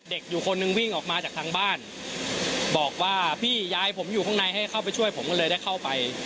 เด็กอยู่คนหนึ่งวิ่งออกมาจากทางบ้านบอกว่าพี่ยายผมอยู่ข้างในให้เข้าไปช่วยผมก็เลยได้เข้าไป